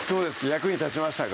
役に立ちましたか？